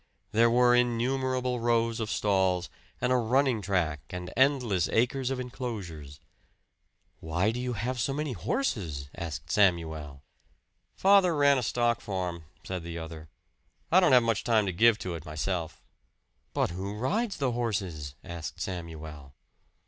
There were innumerable rows of stalls, and a running track and endless acres of inclosures. "Why do you have so many horses?" asked Samuel. "Father ran a stock farm," said the other. "I don't have much time to give to it myself." "But who rides the horses?" asked Samuel.